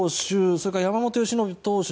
それから山本由伸投手